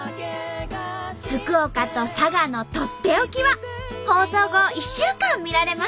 福岡と佐賀のとっておきは放送後１週間見られます。